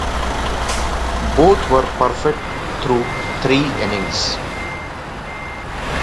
Both were perfect through three innings.